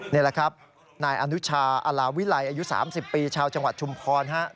นี่แหละครับนายอนุชาอลาวิลัยอายุ๓๐ปีชาวจังหวัดชุมพร